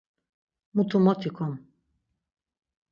Mutu mot ikom!